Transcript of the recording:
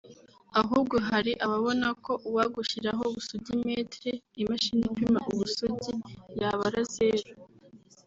ahubwo hari ababona ko uwagushyiraho busugi-mètre (imashini ipima ubusugi) yabara zeru…